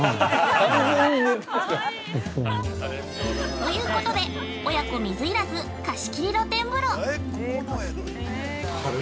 ◆ということで、親子水入らず貸切露天風呂。